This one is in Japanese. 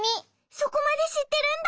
そこまでしってるんだ！